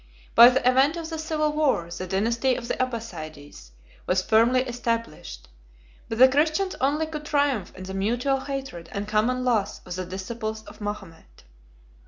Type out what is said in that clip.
By the event of the civil war, the dynasty of the Abbassides was firmly established; but the Christians only could triumph in the mutual hatred and common loss of the disciples of Mahomet.